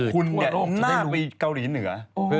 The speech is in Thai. คุณเนี่ยหน้าไปเกาหลีเหนือ